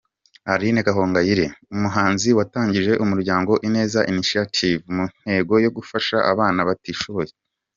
Aline Gahongayire: Umuhanzi watangije umuryango ‘Ineza Initiative’ mu ntego yo gufasha abana batishoboye.